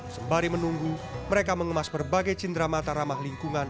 sembari menunggu mereka mengemas berbagai cindera mata ramah lingkungan